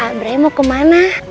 aabrai mau kemana